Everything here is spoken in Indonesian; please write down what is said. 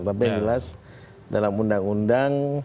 tapi yang jelas dalam undang undang